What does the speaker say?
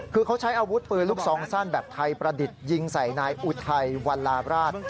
คือเขาใช้อาวุธปืนลูกซองสั้นแบบไทยประดิษฐ์ยิงใส่นายอุทัยวัลลาราช